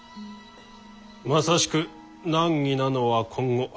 まさしく難儀なのは今後。